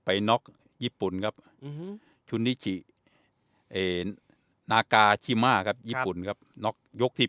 ไปน๊อกญี่ปุ่นครับอื้อฮืมนากาที่มาครับญี่ปุ่นครับน๊อกยกที่